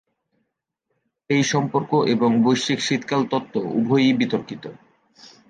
এই সম্পর্ক এবং বৈশ্বিক শীতকাল তত্ত্ব উভয়ই বিতর্কিত।